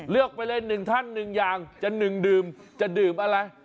เลือกไปเลยหนึ่งท่านหนึ่งอย่างจะหนึ่งดื่มจะดื่มอะไร